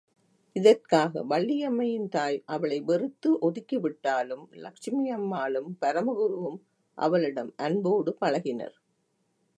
இதற்காக வள்ளியம்மையின் தாய் அவளை வெறுத்து ஒதுக்கி விட்டாலும் லட்சுமி அம்மாளும், பரமகுருவும் அவளிடம் அன்போடு பழகினர்.